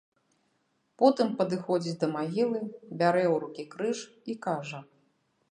Потым падыходзіць да магілы, бярэ ў рукі крыж і кажа.